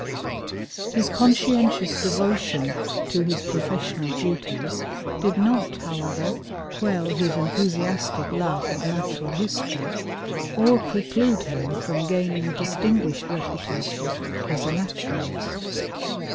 His conscientious devotion to his professional duties did not, however, quell his enthusiastic love of natural history, or preclude him from gaining a distinguished reputation as a naturalist.